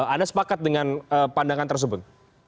anda sepakat dengan pandangan tersebut